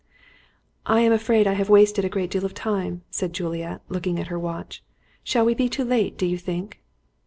"I am afraid I have wasted a great deal of time," said Juliet, looking at her watch. "Shall we be too late, do you think?"